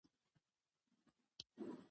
له ځینو کسانو يادونه کړې.